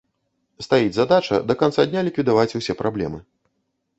Стаіць задача да канца дня ліквідаваць усе праблемы.